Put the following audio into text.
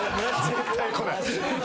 絶対来ない。